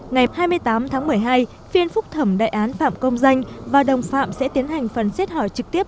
ngày hai mươi tám tháng một mươi hai phiên phúc thẩm đại án phạm công danh và đồng phạm sẽ tiến hành phần xét hỏi trực tiếp